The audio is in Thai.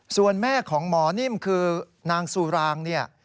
ส่วนแม่ของหมอนิ่มคือนางสุรางเนี่ย